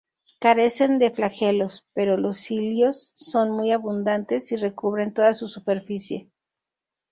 Carecen de flagelos, pero los cilios son muy abundantes y recubren toda su superficie.